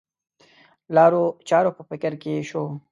لارو چارو په فکر کې شو.